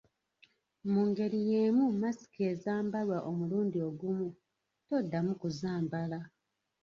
Mu ngeri y’emu masiki ezambalwa omulundi ogumu, toddamu kuzambala.